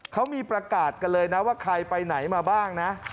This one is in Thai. เขามีประกาศกันเลยนะว่าใครไปไหนมาบ้างนะ